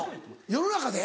世の中で。